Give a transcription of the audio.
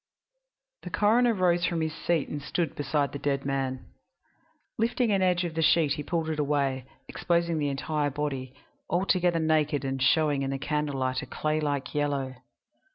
III The coroner rose from his seat and stood beside the dead man. Lifting an edge of the sheet he pulled it away, exposing the entire body, altogether naked and showing in the candle light a clay like yellow.